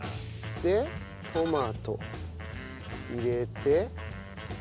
でトマト入れて。